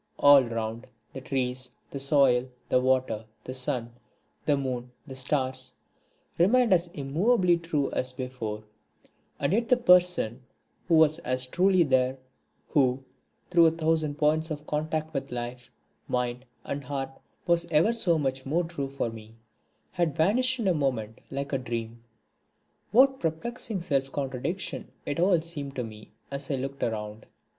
All around, the trees, the soil, the water, the sun, the moon, the stars, remained as immovably true as before; and yet the person who was as truly there, who, through a thousand points of contact with life, mind, and heart, was ever so much more true for me, had vanished in a moment like a dream. What perplexing self contradiction it all seemed to me as I looked around!